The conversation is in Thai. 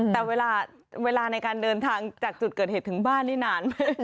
แต่เวลาในการเดินทางจากจุดเกิดเหตุถึงบ้านนี่นานไหม